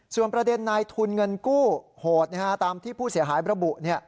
ส่วนประเด็นนายทุนเงินกู้โหดตามที่ผู้เสียหายระบุ